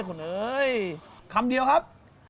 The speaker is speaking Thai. คุณเอ๋ยคำเดียวครับ